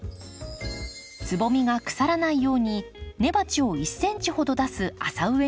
つぼみが腐らないように根鉢を１ｃｍほど出す浅植えにします。